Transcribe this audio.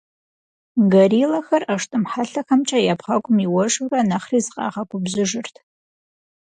Гориллэхэр ӏэштӏым хьэлъэхэмкӏэ я бгъэгум иуэжурэ, нэхъри зыкъагъэгубжьыжырт.